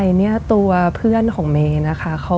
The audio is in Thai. ลวงตานะ